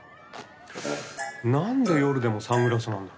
なんで夜でもサングラスなんだろ？